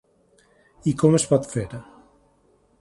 I com es pot fer?